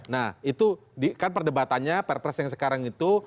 nah itu kan perdebatannya perpres yang sekarang itu